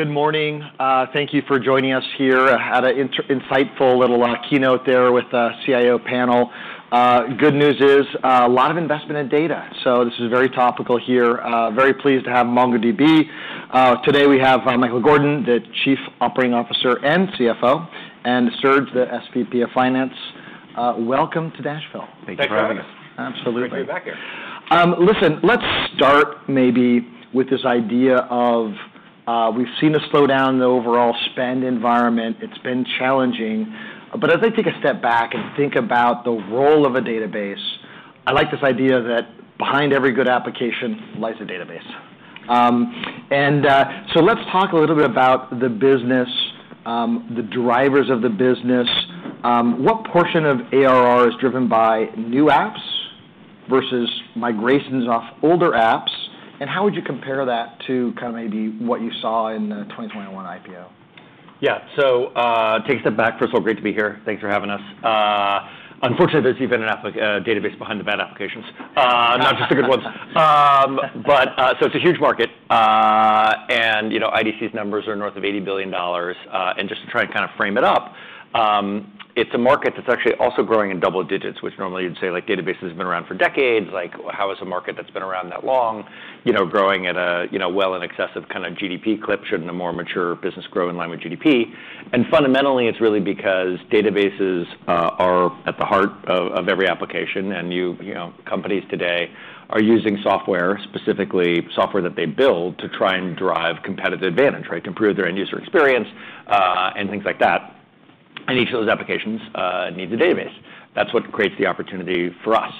Good morning. Thank you for joining us here. Had an insightful little keynote there with the CIO panel. Good news is, a lot of investment in data, so this is very topical here. Very pleased to have MongoDB. Today we have Michael Gordon, the Chief Operating Officer and CFO, and Serge, the SVP of Finance. Welcome to Nashville. Thanks for having us. Thanks for having us. Absolutely. Great to be back here. Listen, let's start maybe with this idea of we've seen a slowdown in the overall spend environment. It's been challenging. But as I take a step back and think about the role of a database, I like this idea that behind every good application lies a database. So let's talk a little bit about the business, the drivers of the business. What portion of ARR is driven by new apps versus migrations off older apps, and how would you compare that to kind of maybe what you saw in the 2021 IPO? Yeah, so take a step back. First of all, great to be here. Thanks for having us. Unfortunately, there's even an app, a database behind the bad applications, not just the good ones. But, so it's a huge market. And, you know, IDC's numbers are north of $80 billion. Just to try and kind of frame it up, it's a market that's actually also growing in double digits, which normally you'd say, like, databases have been around for decades. Like, how is a market that's been around that long, you know, growing at a, you know, well in excess of kind of GDP clip? Shouldn't a more mature business grow in line with GDP? Fundamentally, it's really because databases are at the heart of every application, and you know, companies today are using software, specifically software that they build, to try and drive competitive advantage, right? To improve their end user experience, and things like that. Each of those applications needs a database. That's what creates the opportunity for us.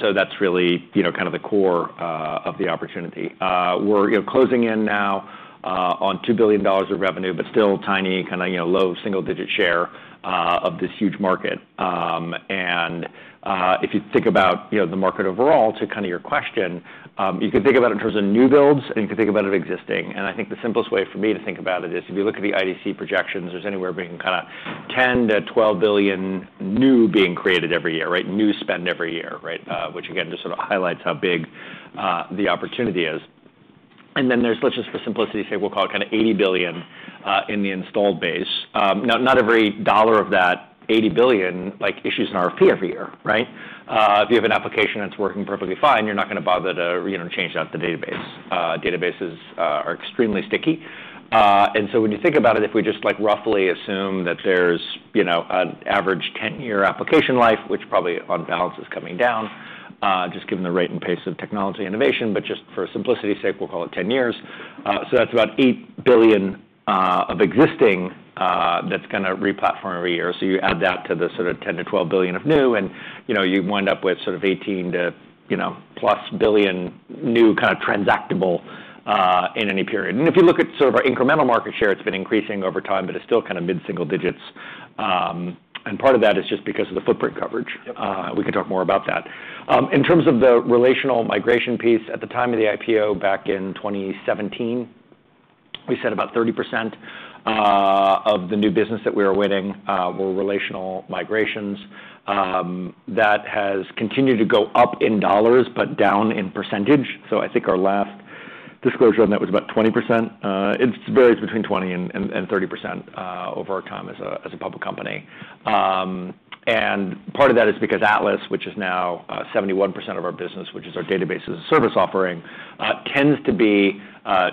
So that's really, you know, kind of the core of the opportunity. We're, you know, closing in now on $2 billion of revenue, but still tiny, kinda, you know, low-single-digit share of this huge market. If you think about, you know, the market overall, to kind of your question, you can think about it in terms of new builds, and you can think about it existing. I think the simplest way for me to think about it is, if you look at the IDC projections, there's anywhere between kinda $10 billion-$12 billion new being created every year, right? New spend every year, right, which again, just sort of highlights how big the opportunity is. And then there's, let's just for simplicity's sake, we'll call it kinda $80 billion in the installed base. Not every dollar of that $80 billion like issues an RFP every year, right? If you have an application that's working perfectly fine, you're not gonna bother to, you know, change out the database. Databases are extremely sticky. So when you think about it, if we just, like, roughly assume that there's, you know, an average 10-year application life, which probably on balance is coming down, just given the rate and pace of technology innovation, but just for simplicity's sake, we'll call it 10 years. So that's about $8 billion of existing that's gonna re-platform every year. So you add that to the sort of $10 billion-$12 billion of new, and, you know, you wind up with sort of $18 billion to, you know, plus billion new kind of transactional in any period. And if you look at sort of our incremental market share, it's been increasing over time, but it's still kind of mid single digits. And part of that is just because of the footprint coverage. Yep. We can talk more about that. In terms of the relational migration piece, at the time of the IPO back in 2017, we said about 30% of the new business that we were winning were relational migrations. That has continued to go up in dollars, but down in percentage. I think our last disclosure on that was about 20%. It varies between 20% and 30% over our time as a public company. And part of that is because Atlas, which is now 71% of our business, which is our database as a service offering, tends to be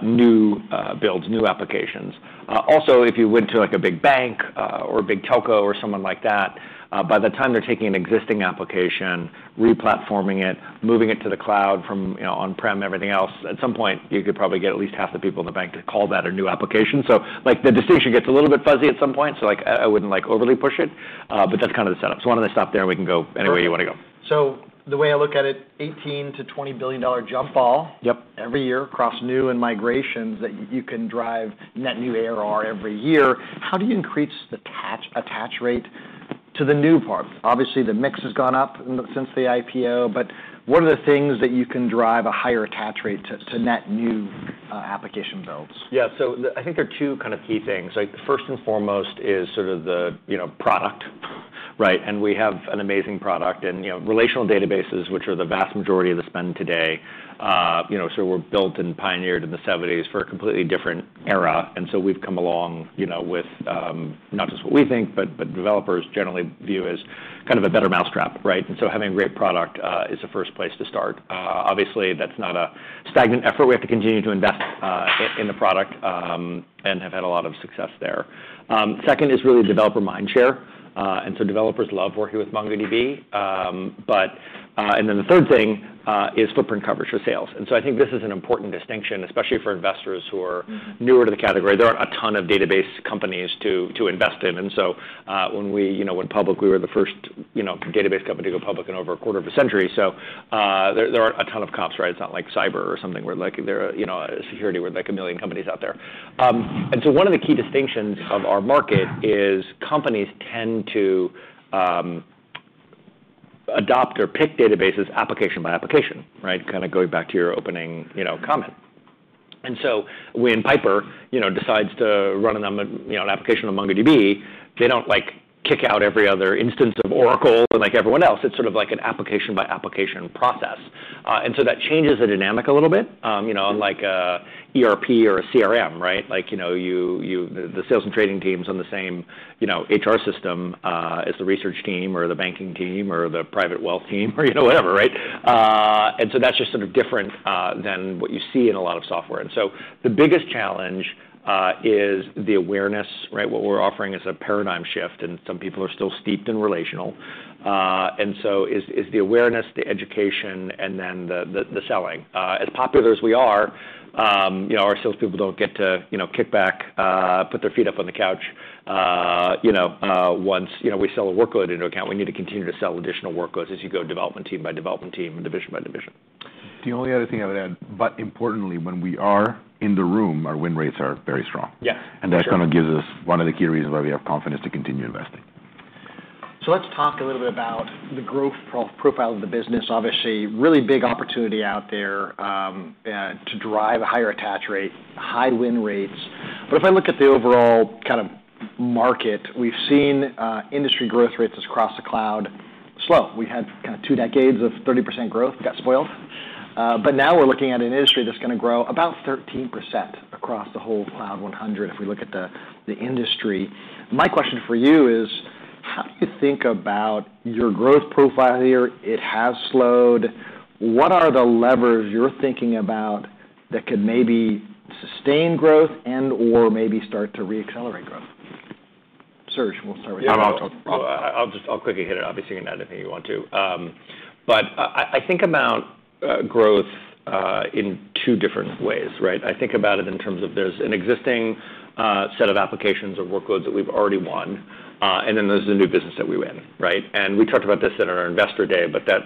new builds, new applications. Also, if you went to, like, a big bank, or a big telco or someone like that, by the time they're taking an existing application, re-platforming it, moving it to the cloud from, you know, on-prem, everything else, at some point, you could probably get at least half the people in the bank to call that a new application, so like, the distinction gets a little bit fuzzy at some point, so like, I wouldn't like overly push it, but that's kind of the setup, so why don't I stop there, and we can go anywhere you wanna go? So the way I look at it, $18 billion-$20 billion dollar jump ball- Yep Every year across new and migrations that you can drive net new ARR every year. How do you increase the attach rate to the new part? Obviously, the mix has gone up since the IPO, but what are the things that you can drive a higher attach rate to net new application builds? Yeah. I think there are two kind of key things. Like, first and foremost is sort of the, you know, product, right? And we have an amazing product, and, you know, relational databases, which are the vast majority of the spend today, you know, so were built and pioneered in the seventies for a completely different era, and so we've come along, you know, with not just what we think, but developers generally view as kind of a better mousetrap, right, and so having a great product is the first place to start. Obviously, that's not a stagnant effort. We have to continue to invest in the product and have had a lot of success there. Second is really developer mindshare, and so developers love working with MongoDB. And then the third thing is footprint coverage for sales. And so I think this is an important distinction, especially for investors who are newer to the category. There aren't a ton of database companies to invest in. And so when we, you know, went public, we were the first, you know, database company to go public in over a quarter of a century. So there aren't a ton of comps, right? It's not like cyber or something where, like, there are, you know, security, where there are, like, a million companies out there. And so one of the key distinctions of our market is companies tend to adopt or pick databases application by application, right? Kind of going back to your opening, you know, comment. And so when Piper, you know, decides to run a you know, an application on MongoDB, they don't, like, kick out every other instance of Oracle, and like everyone else, it's sort of like an application-by-application process. And so that changes the dynamic a little bit, you know, unlike, ERP or a CRM, right? Like, you know, you the sales and trading team's on the same, you know, HR system, as the research team or the banking team or the private wealth team or, you know, whatever, right? And so that's just sort of different, than what you see in a lot of software. And so the biggest challenge is the awareness, right? What we're offering is a paradigm shift, and some people are still steeped in relational. And so it's the awareness, the education, and then the selling. As popular as we are, you know, our salespeople don't get to, you know, kick back, put their feet up on the couch. You know, once, you know, we sell a workload into account, we need to continue to sell additional workloads as you go, development team by development team and division by division. The only other thing I would add, but importantly, when we are in the room, our win rates are very strong. Yeah, for sure. That kind of gives us one of the key reasons why we have confidence to continue investing. So let's talk a little bit about the growth profile of the business. Obviously, really big opportunity out there, to drive a higher attach rate, high win rates. But if I look at the overall kind of market, we've seen, industry growth rates across the cloud slow. We had kind of two decades of 30% growth, got spoiled. But now we're looking at an industry that's gonna grow about 13% across the whole Cloud 100, if we look at the industry. My question for you is: How do you think about your growth profile here? It has slowed. What are the levers you're thinking about that could maybe sustain growth and/or maybe start to reaccelerate growth? Serge, we'll start with you. Yeah. I'll quickly hit it. Obviously, you can add anything you want to. But I think about growth in two different ways, right? I think about it in terms of there's an existing set of applications or workloads that we've already won, and then there's the new business that we win, right? And we talked about this at our Investor Day, but that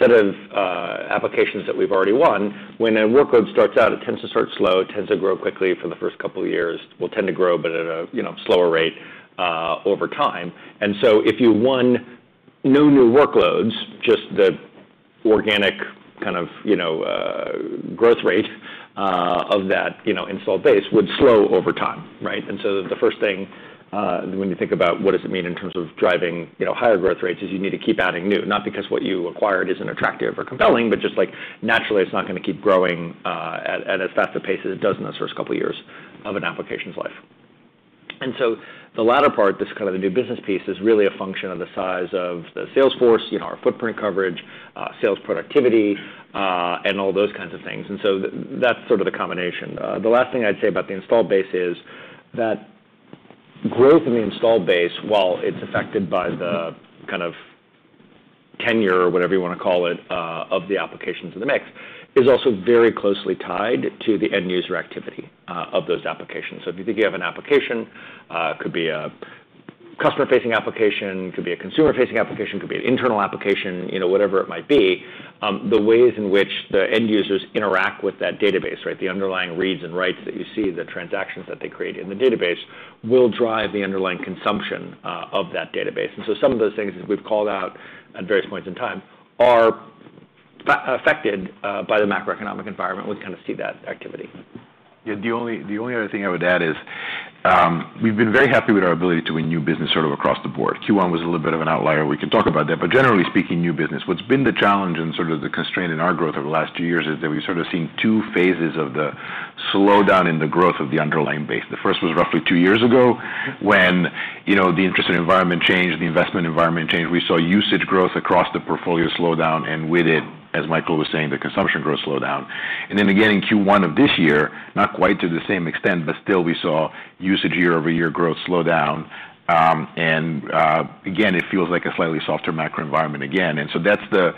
set of applications that we've already won, when a workload starts out, it tends to start slow, it tends to grow quickly for the first couple of years, will tend to grow, but at a you know slower rate over time. And so if you won no new workloads, just the organic kind of you know growth rate of that you know installed base would slow over time, right? And so the first thing, when you think about what does it mean in terms of driving, you know, higher growth rates, is you need to keep adding new, not because what you acquired isn't attractive or compelling, but just, like, naturally, it's not gonna keep growing at as fast a pace as it does in the first couple of years of an application's life. And so the latter part, this kind of the new business piece, is really a function of the size of the sales force, you know, our footprint coverage, sales productivity, and all those kinds of things. And so that's sort of the combination. The last thing I'd say about the installed base is that growth in the installed base, while it's affected by the kind of tenure or whatever you wanna call it, of the applications in the mix, is also very closely tied to the end user activity, of those applications. So if you think you have an application, could be a customer-facing application, could be a consumer-facing application, could be an internal application, you know, whatever it might be, the ways in which the end users interact with that database, right? The underlying reads and writes that you see, the transactions that they create in the database, will drive the underlying consumption, of that database. And so some of those things, as we've called out at various points in time, are affected, by the macroeconomic environment. We kind of see that activity. Yeah, the only, the only other thing I would add is, we've been very happy with our ability to win new business sort of across the board. Q1 was a little bit of an outlier. We can talk about that, but generally speaking, new business. What's been the challenge and sort of the constraint in our growth over the last two years is that we've sort of seen two phases of the slowdown in the growth of the underlying base. The first was roughly two years ago, when, you know, the interest rate environment changed, the investment environment changed. We saw usage growth across the portfolio slow down, and with it, as Michael was saying, the consumption growth slow down, and then again, in Q1 of this year, not quite to the same extent, but still we saw usage year-over-year growth slow down. And, again, it feels like a slightly softer macro environment again. And so that's the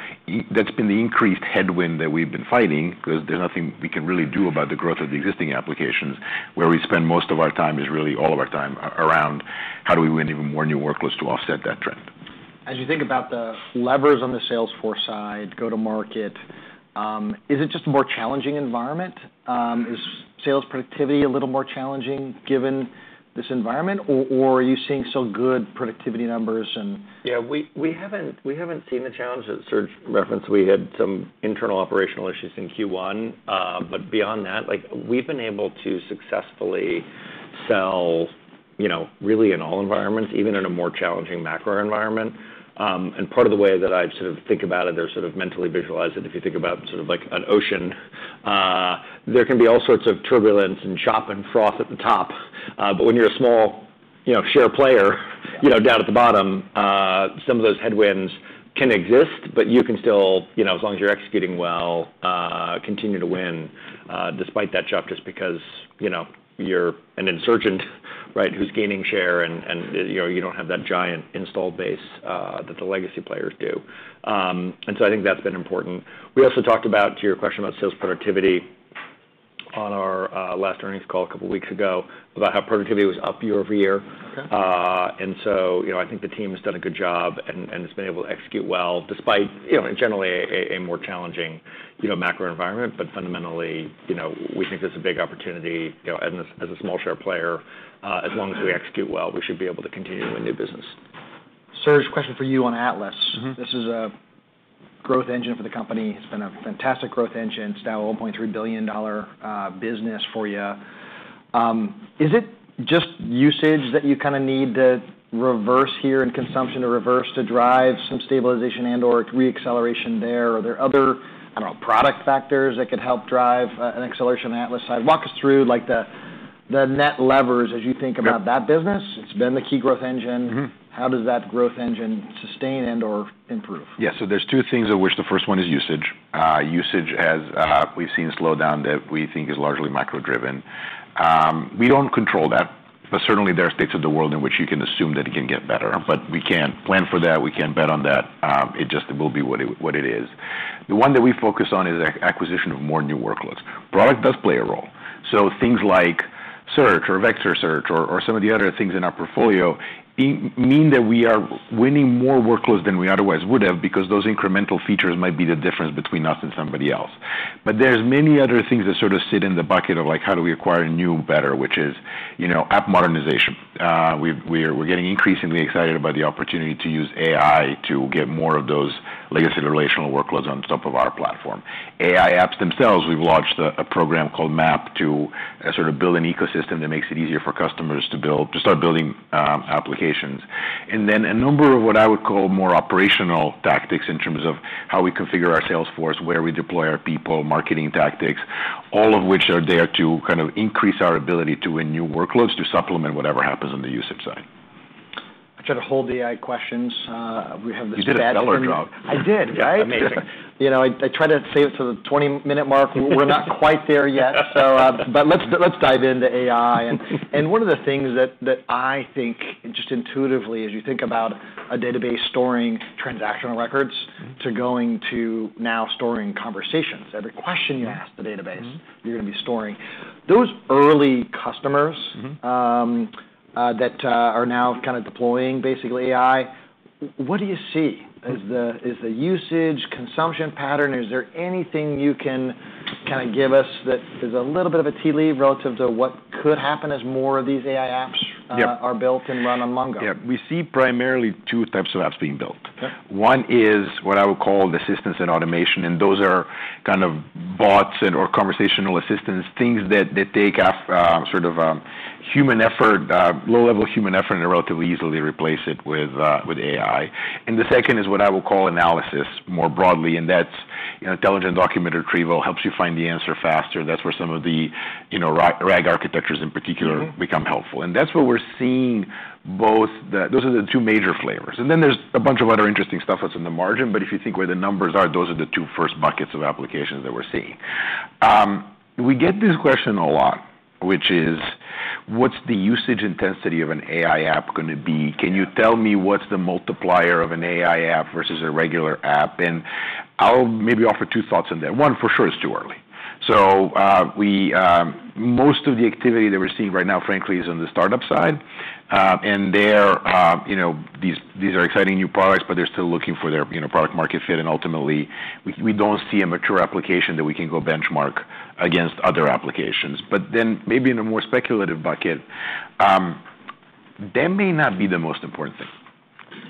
that's been the increased headwind that we've been fighting, 'cause there's nothing we can really do about the growth of the existing applications. Where we spend most of our time is really all of our time around how do we win even more new workloads to offset that trend. As you think about the levers on the sales force side, go-to-market, is it just a more challenging environment? Is sales productivity a little more challenging given this environment, or are you seeing some good productivity numbers and- Yeah, we haven't seen the challenges that Serge referenced. We had some internal operational issues in Q1, but beyond that, like, we've been able to successfully sell, you know, really in all environments, even in a more challenging macro environment. And part of the way that I sort of think about it or sort of mentally visualize it, if you think about sort of like an ocean, there can be all sorts of turbulence and chop and froth at the top. But when you're a small, you know, share player, you know, down at the bottom, some of those headwinds can exist, but you can still, you know, as long as you're executing well, continue to win, despite that chop, just because, you know, you're an insurgent, right? Who's gaining share, and you know, you don't have that giant installed base that the legacy players do. And so I think that's been important. We also talked about, to your question about sales productivity, on our last earnings call a couple weeks ago, about how productivity was up year over year. Okay. And so, you know, I think the team has done a good job and has been able to execute well, despite, you know, generally a more challenging, you know, macro environment. But fundamentally, you know, we think there's a big opportunity, you know, as a small share player, as long as we execute well, we should be able to continue to win new business. Serge, question for you on Atlas. Mm-hmm. This is a growth engine for the company. It's been a fantastic growth engine. It's now a $1.3 billion business for you. Is it just usage that you kind of need to reverse here in consumption or reverse to drive some stabilization and/or re-acceleration there? Are there other, I don't know, product factors that could help drive an acceleration on the Atlas side? Walk us through, like, the net levers as you think about that business. Yep. It's been the key growth engine. Mm-hmm. How does that growth engine sustain and/or improve? Yeah, so there's two things of which the first one is usage. Usage has, we've seen a slowdown that we think is largely macro-driven. We don't control that, but certainly there are states of the world in which you can assume that it can get better, but we can't plan for that, we can't bet on that. It just will be what it is. The one that we focus on is acquisition of more new workloads. Product does play a role, so things like Search or Vector Search or some of the other things in our portfolio mean that we are winning more workloads than we otherwise would have, because those incremental features might be the difference between us and somebody else. But there's many other things that sort of sit in the bucket of, like, how do we acquire new better, which is, you know, app modernization. We're getting increasingly excited about the opportunity to use AI to get more of those legacy relational workloads on top of our platform. AI apps themselves, we've launched a program called MAAP, to sort of build an ecosystem that makes it easier for customers to start building applications. And then a number of what I would call more operational tactics in terms of how we configure our sales force, where we deploy our people, marketing tactics, all of which are there to kind of increase our ability to win new workloads, to supplement whatever happens on the usage side. I tried to hold the AI questions. We have this- You did a stellar job. I did, right? Yeah, amazing. You know, I tried to save it for the 20-minute mark. We're not quite there yet, so but let's dive into AI. And one of the things that I think, just intuitively, as you think about a database storing transactional records- Mm-hmm -to going to now storing conversations. Every question you ask the database- Mm-hmm You're gonna be storing. Those early customers- Mm-hmm -that are now kind of deploying, basically, AI. What do you see? Is the usage, consumption pattern, is there anything you can kind of give us that is a little bit of a tea leaf relative to what could happen as more of these AI apps- Yeah -Are built and run on Mongo? Yeah. We see primarily two types of apps being built. Okay. One is what I would call the assistance and automation, and those are kind of bots and/or conversational assistance, things that take off sort of human effort, low-level human effort, and relatively easily replace it with AI. And the second is what I will call analysis more broadly, and that's, you know, intelligent document retrieval, helps you find the answer faster. That's where some of the, you know, RAG architectures in particular- Mm-hmm -become helpful. And that's where we're seeing both. Those are the two major flavors. And then there's a bunch of other interesting stuff that's on the margin, but if you think where the numbers are, those are the two first buckets of applications that we're seeing. We get this question a lot, which is: What's the usage intensity of an AI app gonna be? Yeah. Can you tell me what's the multiplier of an AI app versus a regular app? And I'll maybe offer two thoughts on that. One, for sure, it's too early. So, we most of the activity that we're seeing right now, frankly, is on the startup side. And they're, you know, these are exciting new products, but they're still looking for their, you know, product-market fit, and ultimately, we don't see a mature application that we can go benchmark against other applications. But then maybe in a more speculative bucket, that may not be the most important thing.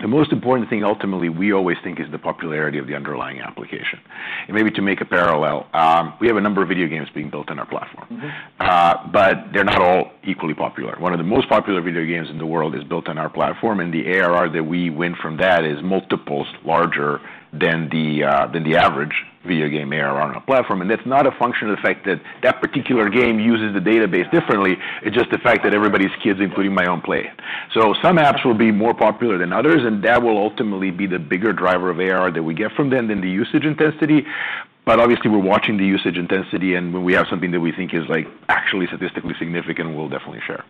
The most important thing, ultimately, we always think, is the popularity of the underlying application. And maybe to make a parallel, we have a number of video games being built on our platform. Mm-hmm. But they're not all equally popular. One of the most popular video games in the world is built on our platform, and the ARR that we win from that is multiples larger than the average video game ARR on our platform. And that's not a function of the fact that that particular game uses the database differently, it's just the fact that everybody's kids, including my own, play it. So some apps will be more popular than others, and that will ultimately be the bigger driver of ARR that we get from them than the usage intensity. But obviously, we're watching the usage intensity, and when we have something that we think is, like, actually statistically significant, we'll definitely share.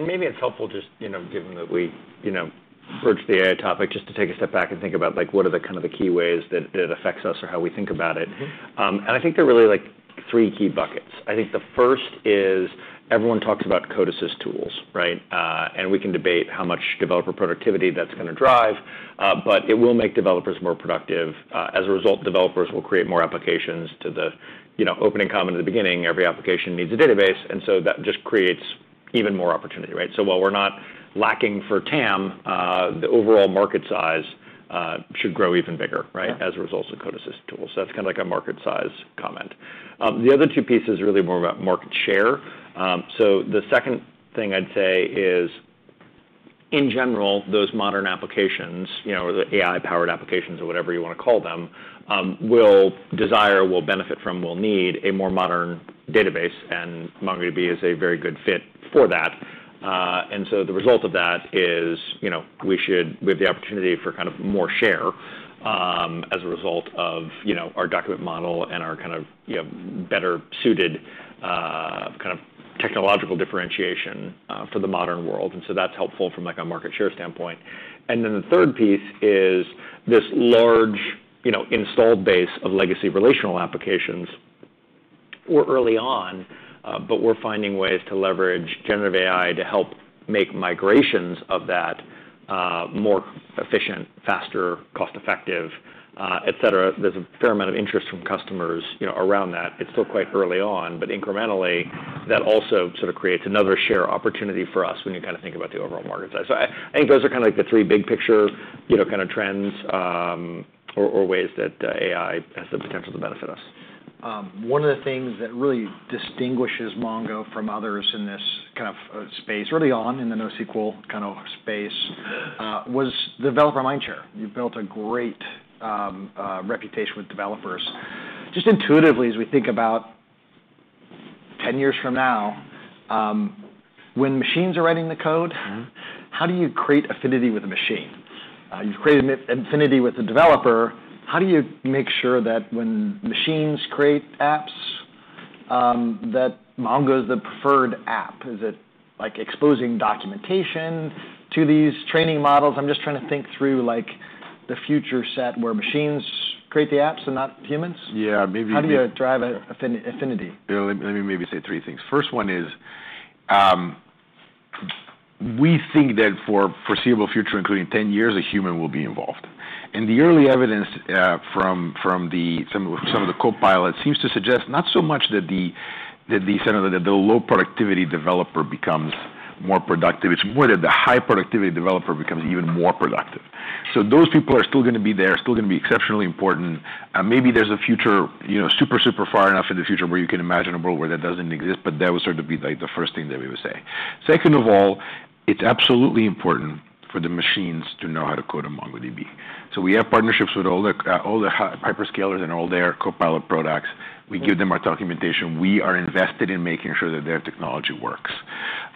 Maybe it's helpful just, you know, given that we, you know, approached the AI topic, just to take a step back and think about, like, what are the kind of the key ways that it affects us or how we think about it. Mm-hmm. And I think there are really, like, three key buckets. I think the first is everyone talks about code assist tools, right? And we can debate how much developer productivity that's gonna drive, but it will make developers more productive. As a result, developers will create more applications to the... You know, opening comment at the beginning, every application needs a database, and so that just creates even more opportunity, right? So while we're not lacking for TAM, the overall market size should grow even bigger, right? Yeah. As a result of Code Assist tools, so that's kind of like a market size comment. The other two pieces are really more about market share, so the second thing I'd say is, in general, those modern applications, you know, or the AI-powered applications or whatever you wanna call them, will desire, will benefit from, will need a more modern database, and MongoDB is a very good fit for that. And so the result of that is, you know, we have the opportunity for kind of more share, as a result of, you know, our document model and our kind of, you know, better suited, kind of technological differentiation, for the modern world, and so that's helpful from, like, a market share standpoint. And then the third piece is this large, you know, installed base of legacy relational applications were early on, but we're finding ways to leverage generative AI to help make migrations of that, more efficient, faster, cost-effective, et cetera. There's a fair amount of interest from customers, you know, around that. It's still quite early on, but incrementally, that also sort of creates another share opportunity for us when you kind of think about the overall market size. So I think those are kind of like the three big-picture, you know, kind of trends, or ways that AI has the potential to benefit us. One of the things that really distinguishes Mongo from others in this kind of space, early on in the NoSQL kind of space, was developer mindshare. You've built a great reputation with developers. Just intuitively, as we think about ten years from now, when machines are writing the code- Mm-hmm. How do you create affinity with a machine? You've created affinity with the developer, how do you make sure that when machines create apps, that Mongo is the preferred app? Is it, like exposing documentation to these training models? I'm just trying to think through, like, the future set, where machines create the apps and not humans. Yeah, maybe- How do you drive affinity? Yeah, let me maybe say three things. First one is, we think that for foreseeable future, including ten years, a human will be involved. And the early evidence from some of the Copilot seems to suggest not so much that the low productivity developer becomes more productive. It's more that the high productivity developer becomes even more productive. So those people are still gonna be there, still gonna be exceptionally important. Maybe there's a future, you know, super far enough in the future where you can imagine a world where that doesn't exist, but that would sort of be, like, the first thing that we would say. Second of all, it's absolutely important for the machines to know how to code a MongoDB. So we have partnerships with all the hyperscalers and all their copilot products. We give them our documentation. We are invested in making sure that their technology works.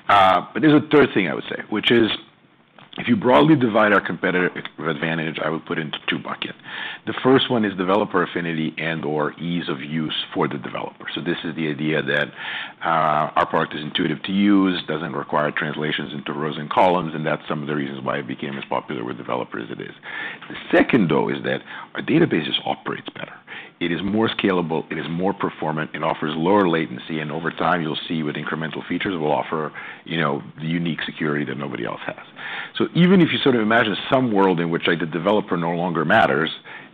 But there's a third thing I would say, which is, if you broadly divide our competitive advantage, I would put into two bucket. The first one is developer affinity and/or ease of use for the developer. So this is the idea that our product is intuitive to use, doesn't require translations into rows and columns, and that's some of the reasons why it became as popular with developers as it is. The second, though, is that our databases operates better. It is more scalable, it is more performant, it offers lower latency, and over time, you'll see with incremental features, we'll offer, you know, the unique security that nobody else has. So even if you sort of imagine some world in which, like, the developer no longer matters,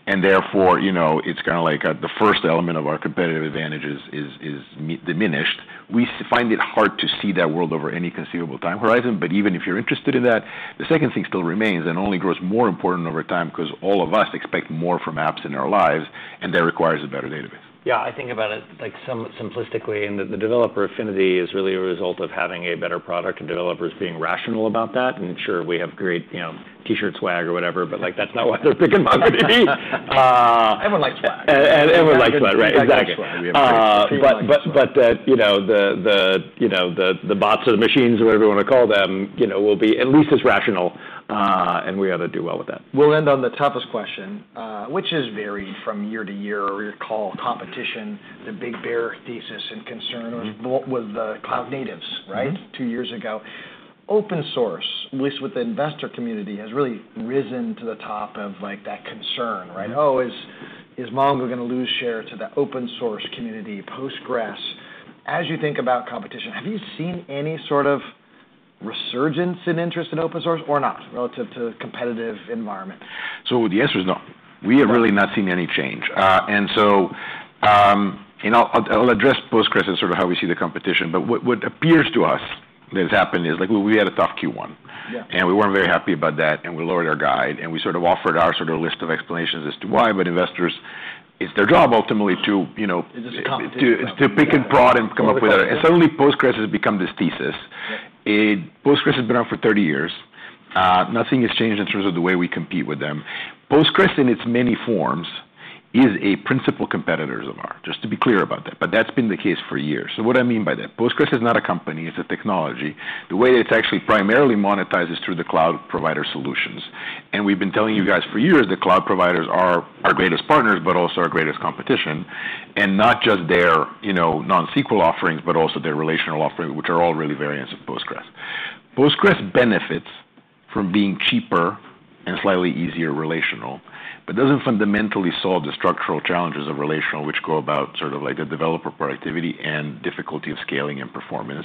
and therefore, you know, it's kinda like, the first element of our competitive advantages is diminished, we find it hard to see that world over any conceivable time horizon. But even if you're interested in that, the second thing still remains and only grows more important over time, 'cause all of us expect more from apps in our lives, and that requires a better database. Yeah, I think about it, like, simplistically, and the developer affinity is really a result of having a better product and developers being rational about that. And sure, we have great, you know, T-shirt swag or whatever, but, like, that's not why they're picking MongoDB. Everyone likes swag. Everyone likes swag, right, exactly. We have great swag. But that, you know, the bots or the machines, whatever you wanna call them, you know, will be at least as rational, and we ought to do well with that. We'll end on the toughest question, which has varied from year-to-year, or you call competition the big bear thesis and concern- Mm. -or with the cloud natives, right? Mm-hmm. Two years ago. Open source, at least with the investor community, has really risen to the top of, like, that concern, right? Mm. Oh, is Mongo gonna lose share to the open-source community, Postgres?" As you think about competition, have you seen any sort of resurgence in interest in open source or not, relative to competitive environment? So the answer is no. We have really not seen any change. And so, I'll address Postgres and sort of how we see the competition, but what appears to us that has happened is, like, we had a tough Q1. Yeah. And we weren't very happy about that, and we lowered our guide, and we sort of offered our sort of list of explanations as to why, but investors, it's their job, ultimately, to, you know- Just compete -to pick it apart and come up with. Yeah. Suddenly, Postgres has become this thesis. Yeah. Postgres has been around for 30 years. Nothing has changed in terms of the way we compete with them. Postgres, in its many forms, is a principal competitor of ours, just to be clear about that, but that's been the case for years. What I mean by that? Postgres is not a company, it's a technology. The way it's actually primarily monetized is through the cloud provider solutions. We've been telling you guys for years that cloud providers are our greatest partners, but also our greatest competition, and not just their, you know, NoSQL offerings, but also their relational offerings, which are all really variants of Postgres. Postgres benefits from being cheaper and slightly easier relational, but doesn't fundamentally solve the structural challenges of relational, which go about sort of like the developer productivity and difficulty of scaling and performance.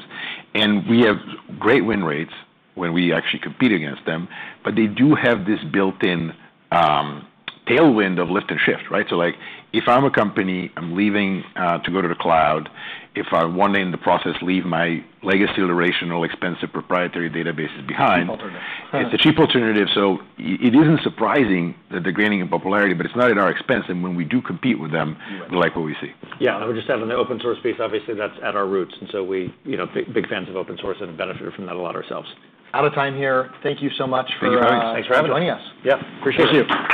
We have great win rates when we actually compete against them, but they do have this built-in tailwind of lift and shift, right? So, like, if I'm a company, I'm leaving to go to the cloud, if I one day in the process leave my legacy relational, expensive, proprietary databases behind. Cheap alternative. It's a cheap alternative, so it isn't surprising that they're gaining in popularity, but it's not at our expense and when we do compete with them- Yeah We like what we see. Yeah, and we're just having the open source piece, obviously, that's at our roots, and so we, you know, big, big fans of open source and have benefited from that a lot ourselves. Out of time here. Thank you so much for. Thanks for having us. Thanks for joining us. Yeah. Appreciate it. Thank you.